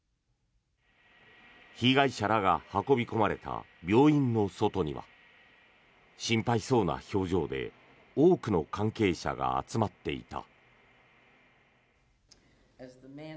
被害者らが運び込まれた病院の外には心配そうな表情で多くの関係者が集まっていた。